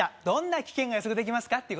どんな危険が予測できますか？